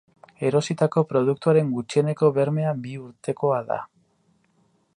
Erositako produktuaren gutxieneko bermea bi urtekoa da.